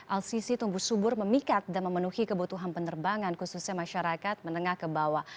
lcc tumbuh subur memikat dan memenuhi kebutuhan penerbangan khususnya masyarakat menengah ke bawah